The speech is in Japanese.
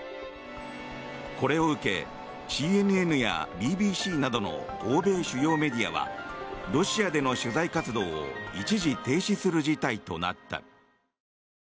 これを受けＣＮＮやＢＢＣなどの欧米主要メディアはロシアでの取材活動を一時停止する事態となった。